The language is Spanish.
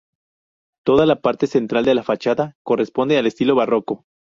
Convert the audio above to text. Toda la parte central de la fachada corresponde al estilo barroco.